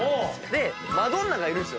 マドンナがいるんですよ。